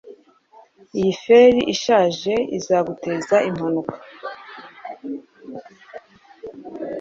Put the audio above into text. Iyi feri ishaje izaguteza impanuka